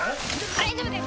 大丈夫です